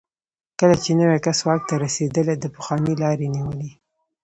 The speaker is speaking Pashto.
کله چې نوی کس واک ته رسېدلی، د پخواني لار یې نیولې.